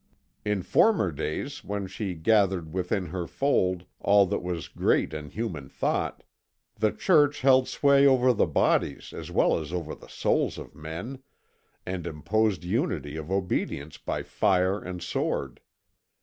"In former days, when she gathered within her fold all that was great in human thought, the Church held sway over the bodies as well as over the souls of men, and imposed unity of obedience by fire and sword.